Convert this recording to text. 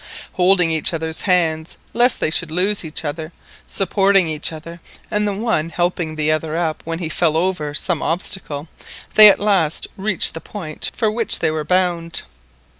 Holding each other's hands lest they should lose each other, supporting each other, and the one helping the other up when he fell over some obstacle, they at last reached the point for which they were bound.